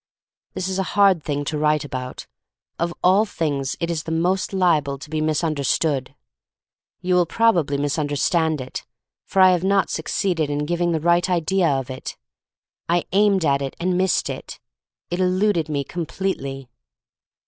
This is a hard thing to write about. Of all things it is the most liable to be misunderstood. You will probably misunderstand it, for I have not suc ceeded in giving the right idea of it. I aimed at it and missed it. It eluded me completely.